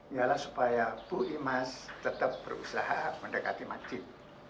ialah supaya bu imbas tetap berusaha mendekati mak cip